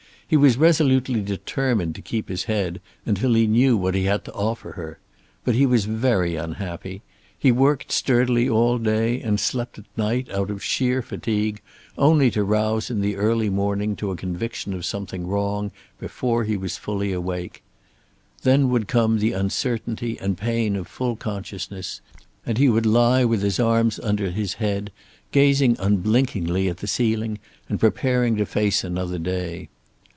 He was resolutely determined to keep his head, until he knew what he had to offer her. But he was very unhappy. He worked sturdily all day and slept at night out of sheer fatigue, only to rouse in the early morning to a conviction of something wrong before he was fully awake. Then would come the uncertainty and pain of full consciousness, and he would lie with his arms under his head, gazing unblinkingly at the ceiling and preparing to face another day.